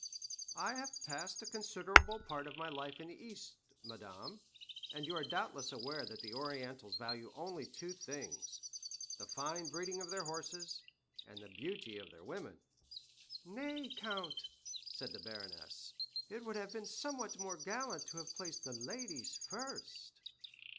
"I have passed a considerable part of my life in the East, madame, and you are doubtless aware that the Orientals value only two things—the fine breeding of their horses and the beauty of their women." "Nay, count," said the baroness, "it would have been somewhat more gallant to have placed the ladies first."